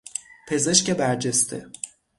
پزشک برجسته